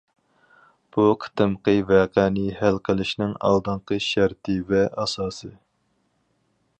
بۇ بۇ قېتىمقى ۋەقەنى ھەل قىلىشنىڭ ئالدىنقى شەرتى ۋە ئاساسى.